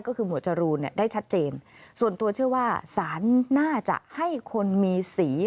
ก็คือหมวดจรูนเนี่ยได้ชัดเจนส่วนตัวเชื่อว่าสารน่าจะให้คนมีสี